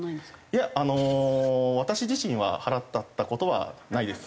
いやあの私自身は腹立った事はないです。